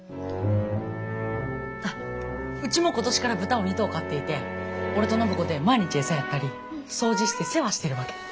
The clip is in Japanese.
あっうちも今年から豚を２頭飼っていて俺と暢子で毎日餌やったり掃除して世話してるわけ。